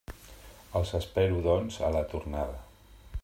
Els espero, doncs, a la tornada.